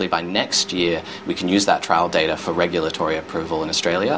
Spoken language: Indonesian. kita bisa menggunakan data penyelidikan itu untuk pengadilan regulasi di australia